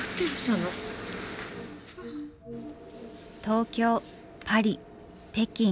東京パリ北京